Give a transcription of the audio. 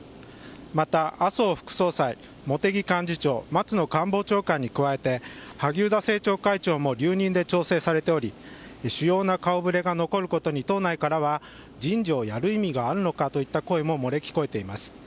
また麻生副総裁、茂木幹事長松野官房長官に加えて萩生田政調会長も留任で調整されており主要な顔ぶれが残ることに党内からは人事をやる意味があるのかといった声も漏れ聞こえています。